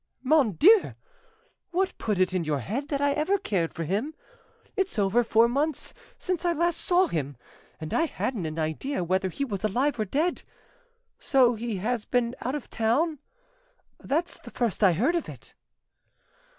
"Mon Dieu! What put it into your head that I ever cared for him? It's over four months since I saw him last, and I hadn't an idea whether he was alive or dead. So he has been out of town? That's the first I heard of it."